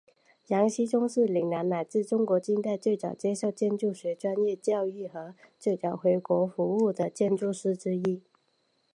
杨锡宗是岭南乃至中国近代最早接受建筑学专业教育和最早回国服务的建筑师之一。